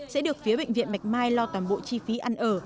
sẽ được phía bệnh viện bạch mai lo toàn bộ chi phí ăn ở